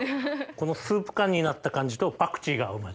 このスープ感になった感じとパクチーがうまい。